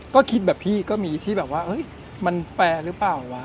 ก็คิดแบบพี่ก็มีที่แบบว่ามันแฟร์หรือเปล่าวะ